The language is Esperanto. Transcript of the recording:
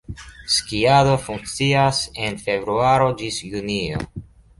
Skiado funkcias de februaro ĝis junio.